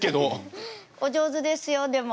お上手ですよでも。